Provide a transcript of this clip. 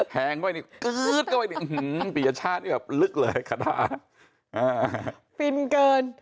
แพงไว้นี้ก